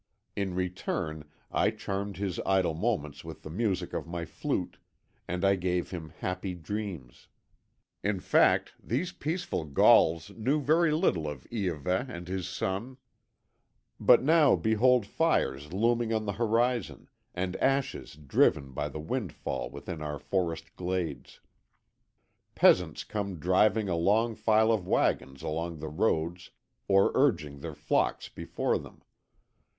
In return I charmed his idle moments with the music of my flute, and I gave him happy dreams. In fact, these peaceful Gauls knew very little of Iahveh and his son. "But now behold fires looming on the horizon, and ashes driven by the wind fall within our forest glades. Peasants come driving a long file of waggons along the roads or urging their flocks before them.